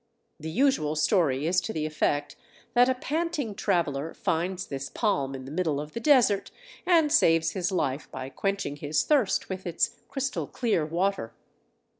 The usual story is to the effect that a panting traveller finds this palm in the middle of the desert, and saves his life by quenching his thirst with its crystal clear water.